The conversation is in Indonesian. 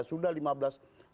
sudah lima belas tahun